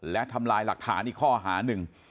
และทำลายหลักฐานอีกข้อหาหนึ่ง